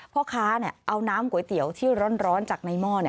พ่อค้าเอาน้ำก๋วยเตี๋ยวที่ร้อนจากในหม้อ